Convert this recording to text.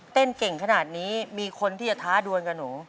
เต้นเก่งขนาดนี้มีคนที่จะท้าดวนกับหนู